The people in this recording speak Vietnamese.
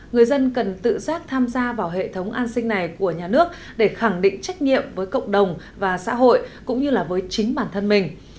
người dân cần tự giác tham gia vào hệ thống an sinh này của nhà nước để khẳng định trách nhiệm với cộng đồng và xã hội cũng như là với chính bản thân mình